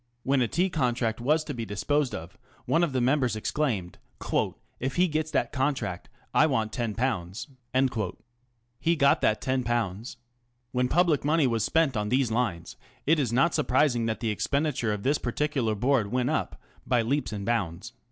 When a tea contract was to be disposed of, one of the members exclaimed, " If he gets that contract, I want^io." He got that ┬Ż10. When public money was spent on these lines, it is not surprising that the expenditure of this particular Board went up by leaps and bounds.